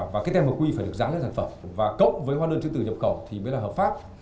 và cái tem hợp quy phải được giám sát sản phẩm và cốc với hoa đơn chứng từ nhập cầu thì mới là hợp pháp